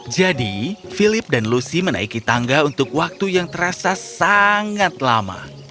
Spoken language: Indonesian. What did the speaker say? jadi philip dan lucy menaiki tangga untuk waktu yang terasa sangat lama